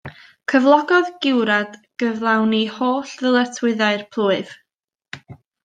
Cyflogodd giwrad gyflawni holl ddyletswyddau'r plwyf.